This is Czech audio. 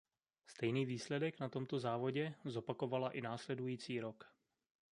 Stejný výsledek na tomto závodě zopakovala i následující rok.